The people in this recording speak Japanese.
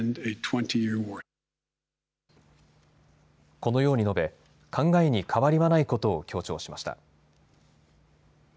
このように述べ考えに変わりはないことを強調しました。